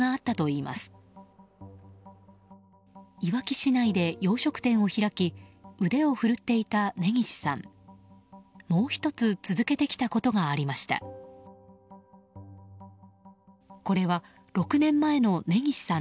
いわき市内で洋食店を開き腕を振るっていた根岸さん。